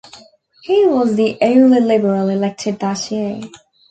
He was the only Liberal elected that year.